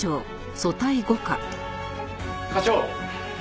課長。